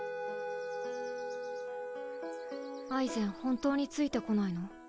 アイゼン本当についてこないの？